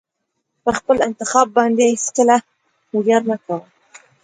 په خپل انتخاب باندې هېڅکله ویاړ مه کوه.